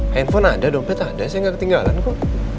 handphone ada dompet ada saya nggak ketinggalan kok